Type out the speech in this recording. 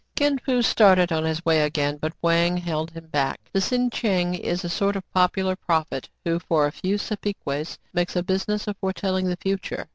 Kin Fo started on his way again ; but Wang held him back. The " sien cheng " is a sort of popular prophet, who for a few sapeques makes a business of fore telling the future.